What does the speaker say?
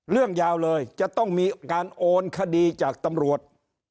เรื่องยาวเลยจะต้องมีการโอนคดีจากตำรวจ